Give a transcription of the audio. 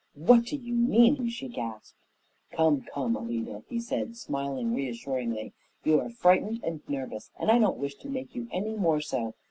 "What do you mean?" she gasped. "Come, come, Alida!" he said, smiling reassuringly. "You are frightened and nervous, and I don't wish to make you any more so.